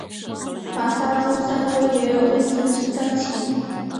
马萨诸塞州也有类似灾情。